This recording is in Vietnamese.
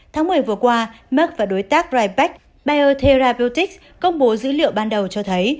tháng một mươi vừa qua merck và đối tác ryback biotherapeutics công bố dữ liệu ban đầu cho thấy